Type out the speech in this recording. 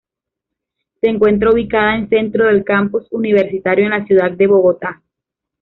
Se encuentra ubicada en centro del campus universitario en la ciudad de Bogotá.